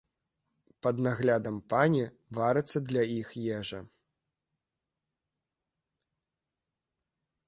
Пад наглядам пані варыцца для іх ежа.